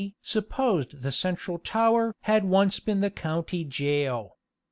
supposed the central tower "had once been the county jail."